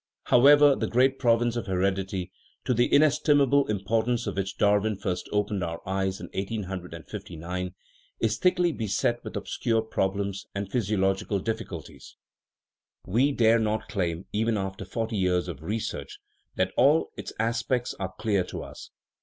However, the great province of heredity, to the ines timable importance of which Darwin first opened our eyes in 1859, is thickly beset with obscure problems and physiological difficulties. We dare not claim, even af ter forty years of research, that all its aspects are clear to us.